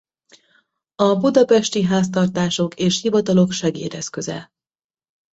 A budapesti háztartások és hivatalok segédeszköze.